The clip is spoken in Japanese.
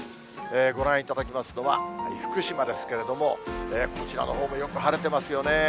ご覧いただきますのは、福島ですけれども、こちらのほうもよく晴れてますよね。